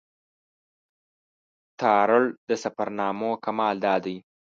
تارړ د سفرنامو کمال دا دی.